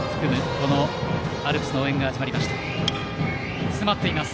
このアルプスの応援が始まりました。